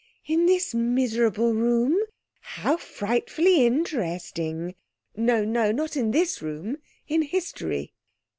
"In this miserable room? How frightfully interesting." "No, no, not in this room; in history."